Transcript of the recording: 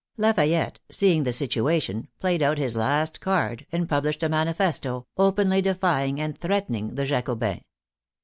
Lafayette, seeing the situation, played out his last card, and published a manifesto, openly defy ing and threatening the Jacobins.